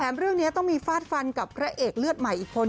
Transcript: เรื่องนี้ต้องมีฟาดฟันกับพระเอกเลือดใหม่อีกคน